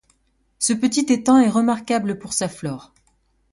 Ce petit étang est remarquable pour sa flore.